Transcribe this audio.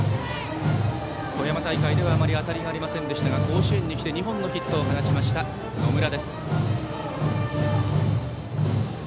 富山大会ではあまり当たりがありませんでしたが甲子園に来て２本のヒットを放ちました、野村。